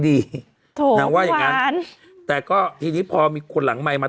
ถูกนางว่าอย่างงั้นแต่ก็ทีนี้พอมีคนหลังไมค์มา